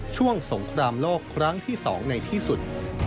ช่วงสงครามโลกครั้งที่๒ในที่สุด